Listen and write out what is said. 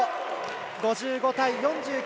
５５対４９。